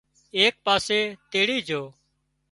ايڪ پاسي تيڙِي جھو